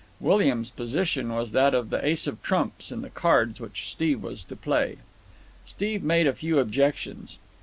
William's position was that of the ace of trumps in the cards which Steve was to play. Steve made a few objections.